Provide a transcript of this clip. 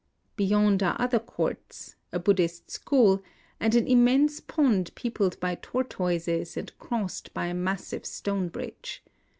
Be yond are other courts, a Buddhist school, and an immense pond peopled by tortoises and crossed by a massive stone bridge.